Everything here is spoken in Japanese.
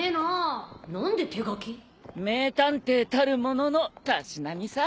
名探偵たるもののたしなみさ！